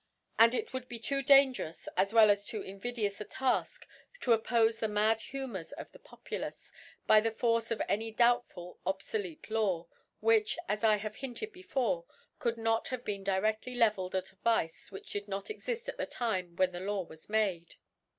And it wimld be too^ dangerous as well as too invidious a Taik to oppofc the mad Humours of ihe Populace^ by the Force of any doubtful obfolete Law ;. which, as I have hinted before^ could not have been directly levelled at a Vi/ce which, did ( 17 ) did not fxift at the Time when the Law was made.